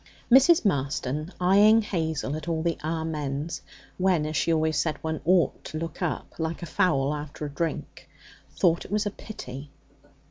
Mrs. Marston, eyeing Hazel at all the 'Amens,' when, as she always said, one ought to look up, like fowls after a drink, thought it was a pity.